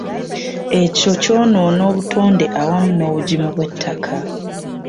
Ekyo kyonoona obutonde awamu nobugimu bw'ettaka.